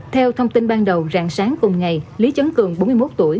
theo thông tin ban đầu rạng sáng cùng ngày lý chấn cường bốn mươi một tuổi